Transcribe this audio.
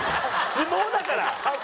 相撲だから！